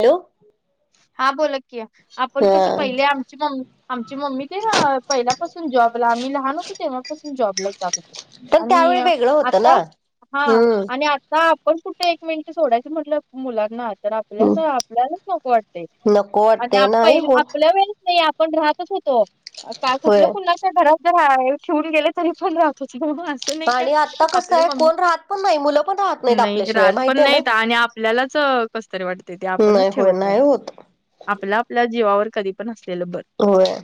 Hello हा बलात आपण कस हा पहिले आ आमची मम्मी ते पहिल्यापासून जॉबला आम्ही लहान होतो तेव्हापासून जॉबला जात होते. पण आणि त्यावेळी वेगळं होतं आता ना हा आणि हम् आता पण कुठे एक मिनिट सोडायचं म्हटलं मुलांना तर आपल्या आपल्यालाच नको वाटतय नको वाटते आणि नाही पहि होत आपल्या वेळे नाही आपण राहतच होतो का होय कुठलं कुणा घरात [unintelligible] ठेवून गेले तरी पण राहतो तो. नाई काय आणि आता कसं आपले आहे मम्मी कोण राहत पण नाही मुलं पण राहत नाहीत नाही आपल्याशिवाय रात पण माहितीय ना नाहीत आणि आपल्यालाच अ कस तरी वाटत नाही होय नाही होत. आपलं आपल्या जीवावर कधी पण असलेलं बरं. होय.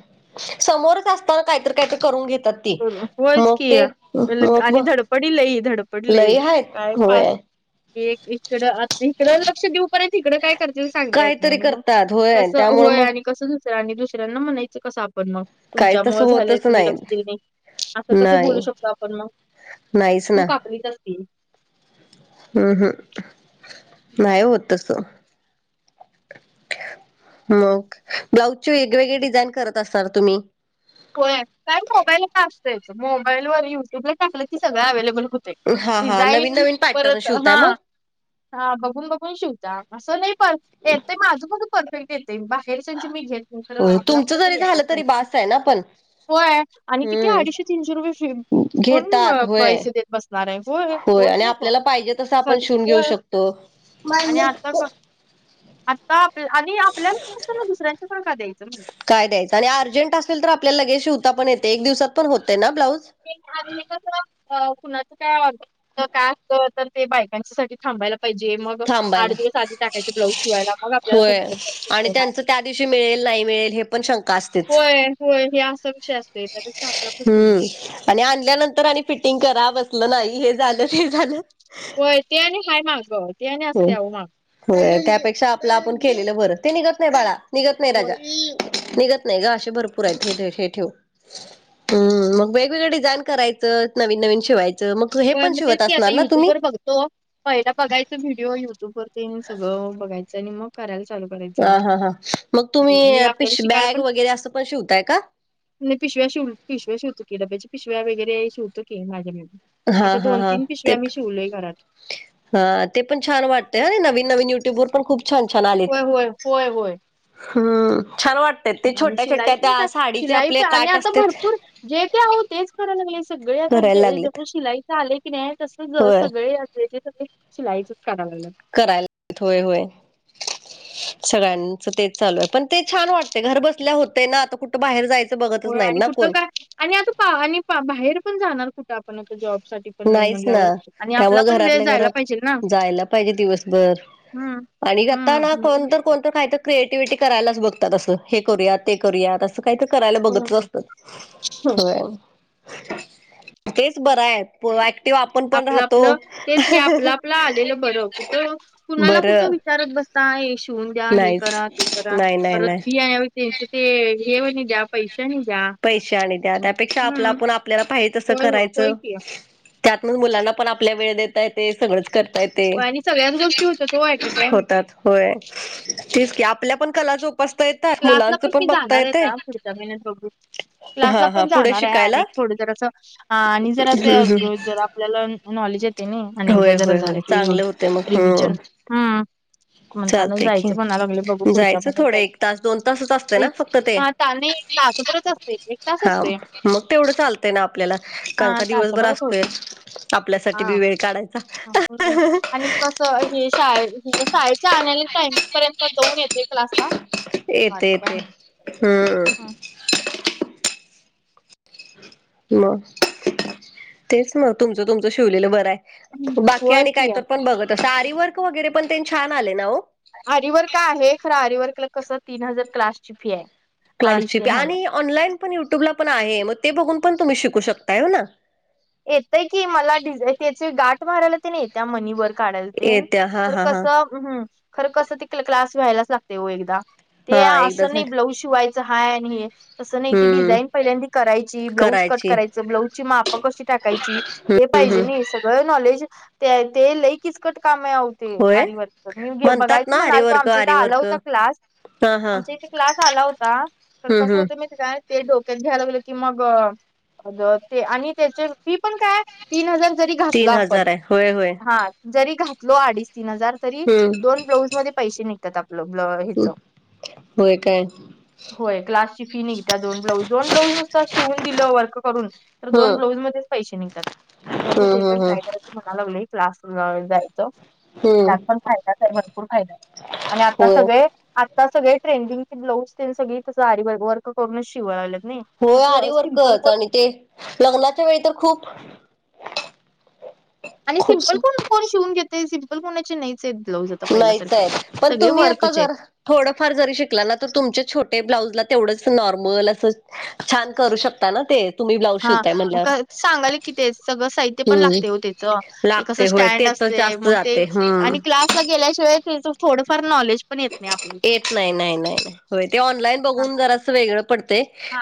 समोरच असताना काहीतरी काहीतरी करून घेतात ती मग ते मग. प लई धडपड लई काय आहेत पा होय एक इकड इकडं लक्ष देऊ. तिकडं काय करते सांगता येत नाही काहीतरी आणि मग करतात होय कसं त्यामुळे होय मग आणि कसं. दुस आणि दुसऱ्यांना म्हणायचं कस आपण मग. काही तुमच्या तसं मुळ झालेय होतच तुम्ही नाही लक्ष दिल नाही असं कसे बोलू नाही शकतो आपण मग नाहीच चूकापलीच असती. हम्म हम्म नाहीय होतस. मग ब्लाउजचे वेगवेगळे डिझाईन करत असणार तुम्ही. हो काय मोबाईल फ असतयच मोबाईल व युट्यूब ल. टाक सगळ अव्लेबल होते हा हा नवीन डिझाईन नवीन पॅटर्न परत शिवताय हा मग? हा बघून बघून शिवता असं नाही पर येतय माझं पण परफेक्ट येतय बा खरसचे मी घेत नाही तर होय आपला क तुमचं जरी तरी झालं यायलाच पाहिजे बास आहे ना. पण होय आणि तिथे अडीचशे हम्म तीनशे रुपये फी पून घेतात होय. पैसे देत बसत. होय आणि आपल्याला पाहिजे तस आपण शिवून घेऊ होय. शकतो. आणि आता क- आता आप आणि आपल्या असताना दुसऱ्यांच्या पण काय द्यायचंण. काय द्यायचं आणि अर्जंट असल तर आपल्याला लगे शिवता पण येते एक दिवसात पण होतेय ना ब्लाऊज. आणि हे कस कुणाचं काय काय असत तर ते बायकांच्या साठी थांबायला पाहिजे मग आठ थांबायला. दिवस आधी टाकायचे ब्लाऊज शिवायला मग आपल्याला होय फंक्शन पर्यंत आणि मिळणार. त्यांचं त्या दिवशी मिळेल नाही मिळेल हे पण शंका असते. होय होय हे असा विषय असतोय याच्यापेक्षा आपला प्रश हम्म आणि आणल्यानंतर आणि फिटिंग करा बसलं नाही हे झालं ते झालं होय ते नाही खाय माग त्या न आ असते आ माग हो त्यापेक्षा आपलं आपण केलेलं भर ते निघत नाही बाळा निघत नाही होय राजा निघत नाही ग असे भरपूर आहेत हे हे ठेव हम् मग वेगवेगळ डिझाईन करायचं नवीन नवीन शिवायचं मग हे पण शिवत असणार ना तुम्ही तो पहिला बघायचा व्हिडिओ युट्यूब वरती सगळं बघायचं आणि मग करायला चालू करायचं ह हा हां मग तुम्ही आणि आपल्याला पिश शिकायला बॅग वगैरे असं पण शिवताय का नाही पिशव्या शव पिशव्या शवोी डब्या पिव्या वगैरे शवतोी माझ्या म हा हा हा ते हा ते पण छान वाटतं नवीन नवीन युट्यूब वर पण खूप छान छान आले होय होय होय होय हम्म र वाट आणि शिलाई पण काय शिलाई पण आणि काठ आता असतात भरपूर जे काय आहू तेच कराय लागले सगळे आता करायला जे लागलेत ज शिलाई ले की नाही तसच होय सगळे असलेचे शिलाईच कराव लाग करायला होय होय सगळ्यांच तेच चालू आहे पण ते छान वाट ते घर बसल्या होते ना आता कुठ बाहेर जायचं बघ हो आणि कुठं काय आणि आता आणि बाहेर पण जाणार कुठं आपण आता जॉब साठी पण नाही नाहीच ना म्हटल्यावर आणि आपला त्यामुळे पण वेळ घरातल्या जायला घरात पाहिजेल ना. जायला पाहिजे दिवसभर हम्म. आणि आता ना हम्म. कोणत कोणतं खायचं क्रिएटिव्हटी करायलाच बघतात असं हे करूया ते करूयात अस काही तर करायला बघत असत हो तेच बरं आहेत ऍक्टिव आपण पण आपलं राहतो आपलं तेच की आपलं आपलं आलेलं बरं कुठं कुणाला कुठ बरं विचारत बस शिवून द्या हे करा ते नाहीच करा नाही नाही परत नाही फी आहे त्यांच ते हे द्या पैसे नाही पैसे आणि त्या त्यापेक्षा आपला आपण आपल्याला पाही तस होय हो होय करायचं की त्यात म मुलांना पण आपल्या वेळ देतय ते सगळंच कर ते होय आणि सगळ्याच गोष्टी होत्या तो ऍट अ टाइम होतात होय तेठीच की आपल्या पण कला जोपासता येतात मुलांचं पण बघता येते जमीन थोब क्लासला हा हा पण पुढे जाणार शिकायला आहे अक थोड जर असं आणि जर असं जर आपल्याला नॉलेज य ते नाही आणि होय एकदा जरा होय होय झालं की चांगले होते मग रिव्हजन हम्म ह चालते कि पुढच्या जायचं महिन्यात थोड जायचं एक तास दोन तासच असत ना तेच फक्त ते हा ता नाही एक तासभरच असते एक तास हा असते मग तेवढं चालत ना आपल्याला हा कांका दिवसभर तासभरच असतोय होतो आपल्यासाठी हा बी वेळ काढायचा कस हे शाळे शाळेच्या आल्या टाइम पर्यंत जाऊन येते क्लासला येत येत वाटतय हम्म मग तेच मग तुमचं तुमचं शिवलेलं बरं आहे बाकी होय आणि की काहीत पण बघत अस आरीवर्क वगैरे पण छान आले ना हो आरवर् का आहे खर अरवर्कला कस तीन हजार क्लास ची फी आहे अडीच क्लासची प तीन हजार आणि ऑनलाईन पण युट्यूबला पण आहे मग ते बघून पण तुम्ही शिकू शकताय हो ना येतय की मला ि त्याचे गाठ मारायला ते नाही येत्या मनी वर काढ येत्या हा तर हा कस हा खरं कसं त क्लास व्या्हायलाच लागते एकदा ते हा एकदा असं नाही झालं ब्लाऊज शिवाय तस नाही त हम्म डिझाईन पहिल्यांदी करायची ब्लाउज कट करायची करायचं ब्लाउजची मापा कशी हे हम्म पाहिजे हम्म नई सगळ नॉलेज ते लई किचकट काम आव ते होय आरीवरचं मी म्हणतात बघायच ना म्हणालतो आरीवर्क आमच्या इथं आला आरीवर्क होता क्लास हा हा आमच्या इथे क्लास आला होता तर हम्म कसं हम्म होतं मी काय ते डोक्यात घ्याय लागलो की मग, अगं ते आणि त्याचे मी पण काय तीन हजार जरी घातलं तीन आपण हजार आहे होय होय हा जरी घातलो अडीच तीन हजार तरी हम्म दोन ब्लाऊज मध्ये पैसे नाही त्यात आपलं ब्ल हिच होय काय होय क्लासची फी निघत्या दोन ब्लाऊज दोन ब्लाऊज नुसतं शिवून दिलं वर्क करून तर दोन हम्म ब्लाऊज मध्येच पैसेे निघतात बघू ते हम्म पण हम्म ट्राय हम्म करायचं म्हणालागलोय क्लासला जायचं हम्म त्यात पण फायदाच आहे भरपूर फायदा आणि आता होय सगळे आता सगळे ट्रेंडिंगची ब्लाउज तेन सगळी तसं आरी वर्क करूनच शिवालागलेत नाही हो असं आरी सिम्पल वर्कचं कोण आणि ते लग्नाच्या वेळी तर खूप आणि सिम्पल कोण कोण शिवून घेतंय सिम्पल कोणाचे नाहीच हाईत ब्लाउज आता नाहीच पहिल्यासारखे आहे पण सगळे तुम्ही आता वर्कचे जर आहेत. थोडंफार जरी शिकला ना तर तुमचे छोटे ब्लाउजला तेवढंच नॉर्मल असं छान करू शकता ना ते. तुम्ही ब्लाऊज हा शिवताय मग म्हणल्यावर सांगाल कि ते सगळं साहित्य पण हम्म लागते हो त्याचं. ते कस लागते होय स्टँड तेच असते जास्त मग ते जाते हम्म आणि क्लास गेल्याशिवाय त्याच थोडफार नॉलेज पण येत नाही आपल्याला येत नाही नाही नाही नाही होय ते ऑनलाईन बघून हा जरासं वेगळं पडतंय हा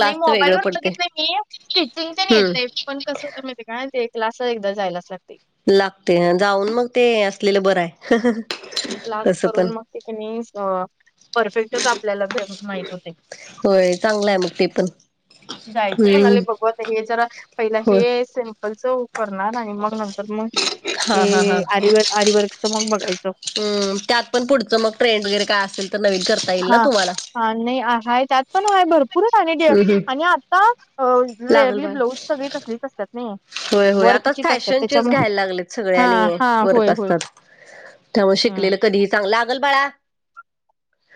नाही मोबाईल वर बघितलंय मी स्टिचिंग तेन हम्म येतय पण कसं होतय माहिते काय ते क्लास ला एकदा जायलाच लागतंय लागते जाऊन मग ते असलेलं बरं आहे क्लास तसं पण करून मग ते कनी परफेक्टच आपल्याला भे माहीत होते होय चांगलं आहे मग ते पण जायचं म्हणालोय हम्म बघू आता हे जरा पहिला हो हे सिम्पलच करणार आणि मग नंतर मग हा ते हा हा आरीवर्क आरीवर्कचं मग बघायचं हम्म त्यात पण पुढचं मग ट्रेंड वगैरे काय असेल तर नवीन करता येईल ना तुम्हाला. हा नाही हाय त्यात पण हाय भर पूर हम् [unintelligible] हम्. आणि आता लागल रेअरली बाळ ब्लाउज सगळी तसलीच असतात नाही. होय होय आता वर्कचीच असतात फॅशनचेच त्याच्यामुळे घ्यायला लागलेत सगळे आणि हां. हां. वर्क होय, होय. असतात. त्यामुळे हं. शिकलेलं कधीही चांगलं लागंल बाळा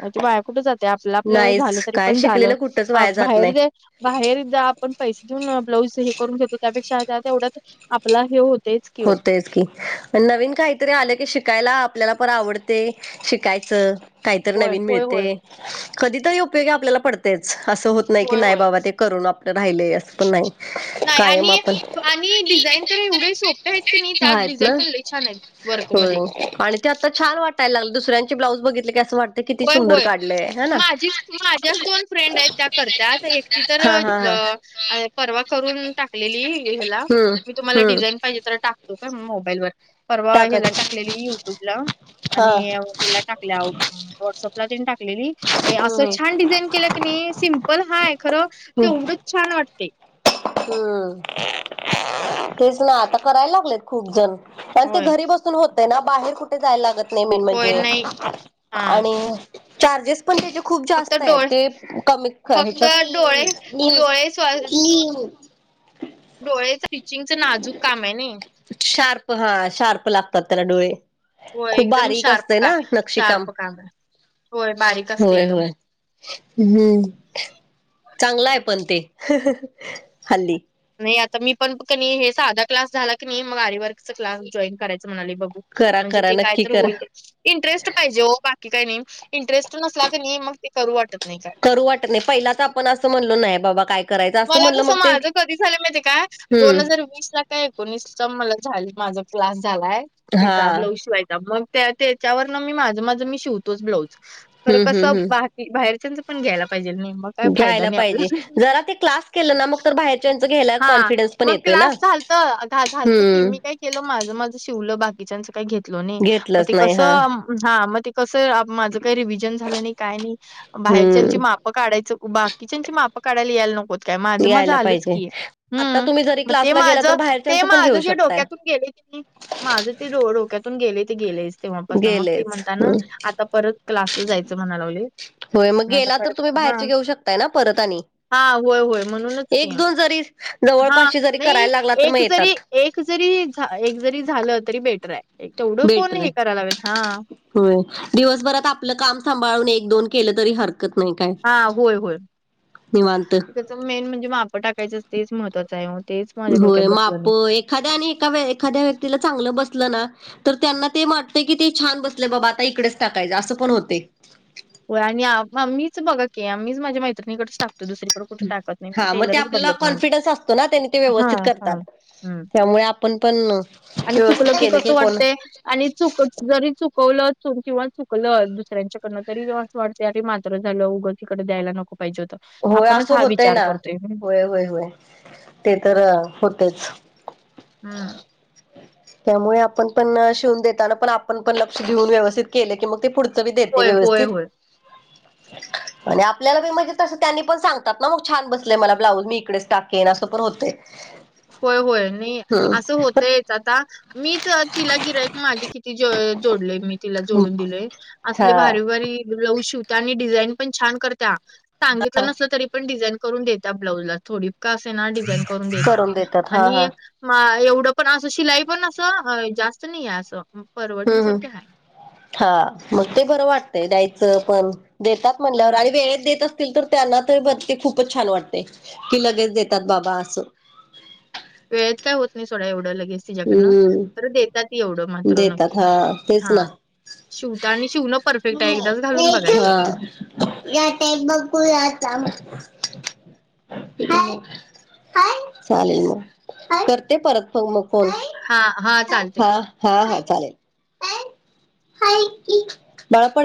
अहो ते वाया कुठे जाते आपल्या आपल्याला झालं नाहीच तरी काय पण झालं शिकलेलं कुठंच वाया जात बाहेर नाही. दे बाहेर जा आपण पैसे देऊन ब्लाऊज हे करून घेतो त्यापेक्षा त्या तेवढ्याच आपला हे होत होतेयचं की नवीन काहीतरी आले की शिकायला आपल्याला पण आवड ते शिकायचं काहीतरी होय नवीन होय मिळते होय. कधीतरी उपयोगी आपल्याला पडत तेच असं होत नाही की होय नाही होय बाबा ते करून आपलं राहिले असं पण नाही. नाही कायम आणि आपण आणि डिझाईन तर एवढं सोप आहेत की नाही त्यात आहेत डिझाईन ना पण लई छान आहेत होय वर्कमध्ये आणि ते आता छान वाटायला लागलं दुसऱ्यांचे ब्लाऊज बघितले की असं वाटं होय होय माझीच माझ्याच दोन फ्रेंड आहेत त्या करत्यात एकटी तर हा हा हा अ परवा करून टाकलेली ह्याला हम्म मी तुम्हाला हम्म डिझाईन पाहिजे तर टाकतो काय मोबाईलवर. परवा याला टाकायचे टाकलेली युट्यूब ला हा आणि ह्याला टाकल्या व्हॉट्सअपला तेन टाकलेली असं हम्म छान डिझाईन केल्या कनी सिम्पल हाय खरं हम्म तेवढेच छान वाटतय हम्म [inaudible] तेच ना आता करायला लागलेत. खूप जण अन ते होय घरी बसून होतय ना बाहेर कुठ जायला लागत नाही मेन होय म्हणजे नाही हा आणि चार्जेस पण त्याचे खूप फक्त जास्त आहे डोळे ते कमी फक्त डोळे याच्यात डोळे स्व [unintelligible] [unintelligible] डोळे स्टिचिंगचं नाजूक काम आहे नाही. [unintelligible] शार्प हा शार्प लागतात त्याला डोळे. [unintelligible] होय खूप एकदम बारीक शार्प असते का ना नक्षीकाम शार्प काम होय बारीक असते होय एकदम. होय. [unintelligible] हम्म चांगलं आहे पण ते हल्ली [unintelligible] नाही आता मी पण का नई हे साधा क्लास झाला की नाही मग आर वर्कचा क्लास जॉईन करायचं म्हणाले बघू. करा म्हणजे करा ते काय नक्की तर करा होईल ते [unintelligible] इंटरेस्ट पाहिजे हो बाकी काही नाही इंटरेस्ट नसला क नाही मग ते करू वाटत नाही काय. करू वाटत नाही पहिलाच आपण अस म्हणलो नाही बाबा काय [unintelligible] मला म्हणलं कस मग ते माझं कधी झालं माहिती काय हम्म दोन हजार वीस ला काय एकोणीस मला झा माझा क्लास झालाय हा याचा ब्लऊ शिवायचा मग त्या त्याच्यावर न मी माझं माझं मी शिवतोच ब्लाउज तर हम्म हम्म कसं हम्म बाहेरच्यांच पण घ्यायला पाहिजे नाही मग काय फायदा घ्यायला नाही पाहिजे आपला. जरा ते क्लास केलं ना [unintelligible] बाहेरच्यांच घ्यायला हा कॉन्फिडन्स पण मग येतोय ना क्लास झालत घा झालत की हम्म मी काय केलं माझ माझं शिवलं बाकीच्यांच काही घेतल नाही मग घेतलंच ते नाही हा कसं हा मग ते कसं माझं काही रिव्हजन झालं नाही काय नाही हम्म बाहेरच्याची मा काढायचं बाकीच्याची माप काढायला यायला नको [unintelligible] काय माझं माझं यायला आलंच पाहिजे की आता हम् तुम्ही जरी मग ते क्लासला माझ गेला तर बाहेरच्यांच ते पण माझ घेऊ ज शकताय डोक्यातून गेले की [unintelligible] माझं ते डो डोक्यातून गेले ते गेलेच [unintelligible] तेव्हापास मग ते गेलेच म्हणताना आता परत क्लासला जायचं म्हणा लावले. होय मग गेला तर तुम्ही बाहेरचे घेऊ शकताय ना परत आणि हा हो [unintelligible] एक दोन जरी हा जवळपाशी जरी नाही करायला लागला तर मग एक जरी येतात. एक जरी झा एक जरी झालं तरी बेटर आहे तेवढं कोण बेटर हे आहे करायला लावेल हा होय दिवसभरात आपलं काम सांभाळून एक दोन केलं तरी हरकत त नाही काय हा होय होय. निवांत त्याच मेन म्हणजे माप टाकायचं अस तेच महत्वाचं आहे ओ तेच [unintelligible] होय बसलं माप नाही. एखाद्या आणि एका एखाद्या व्यक्तीला चांगलं बसलं ना तर त्यांना ते वाटत की ते छान बसले बाबा आता इकडेच टाकायचं असं पण होते हो आणि मीच बघा की आम्हीच माझ्या मैत्रिणीकडेच टाकत दुसरीकडे कुठे हा नाही मग ते टेलरच आपल्याला बदलत नाही. कॉनफिडन्स असतो ना त्यानी ते हा व्यवस्थित हा करतात हम्म त्यामुळे [unintelligible] [inaudible] [unintelligible] आणि चुकलं की केलं कसं कोण वाटतंय [unintelligible] आणि चुक जरी चुकवलं किंवा चुकलं दुसऱ्यांच्याकडनं तरी वाटतंय अरे मात्र झालं उगच इकडे द्यायला नको पाहिजे होत [unintelligible] होय असं होतय ना होय होय होय ते तर होतेच हम्म [unintelligible] त्यामुळे आपण पण शिवून देताना पण आपण पण लक्ष देेऊन व्यवस्थित केले की मग ते पुढ तरी देते व्यवस्थित [unintelligible] ब [unintelligible] आणि आपल्याला बी म्हणजे तसं त्यांनी पण सांगतात ना मग छान बसलेय मला ब्लाऊज मी इकडेच टाकेन असं पण होतय होय होय नाही असं होतय हम्म [unintelligible] आता मीच तिला गिरायक माझे किती ज जोडलेय मी तिला जोडून दिलय असले हा भारी भारी ब्लाऊज शिवतेय आणि डिझाईन पण छान करते सांगितलं नसलं तरी पण डिझाईन करून देता ब्लाऊज ला थोडी का असे ना डिझाईन करून देता देतात हा आणि हा एवढं पण असं शिलाई पण असं जास्त नाही आहे असं हम् हम् परवडण्यासारखी आहे. हा मग ते बरं वाटतंय द्यायचं पण देतात म्हणल्यावर हं. आणि वेळेत देतात [unintelligible] तर त्यांना ते पण ते खूपच छान वाटते की लगेच देतात बाबा असं वेळेत काय होत नाही सोडा एवढं लगेच तिच्याकडनं हम्म तर देतात एवढं मात्र देतात नक्की हा तेच हा ना शिवता आणि शिवणं परफेक्ट आहे एकदाच घालून बघायचं हा या टाईप बघुया थांब चालेल मग करते परत फोन मग होय हां हां चालतंय. हा हा हा चालेल हाय बाळा पडशील